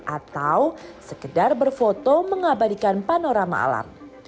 atau sekedar berfoto mengabadikan panorama alam